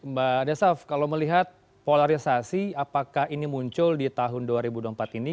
mbak desaf kalau melihat polarisasi apakah ini muncul di tahun dua ribu dua puluh empat ini